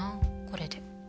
これで。